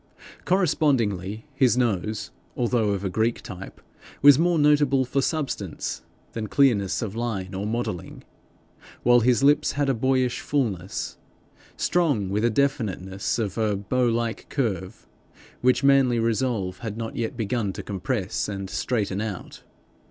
Correspondingly, his nose, although of a Greek type, was more notable for substance than clearness of line or modelling; while his lips had a boyish fulness along with a definiteness of bow like curve, which manly resolve had not yet begun to compress and straighten out.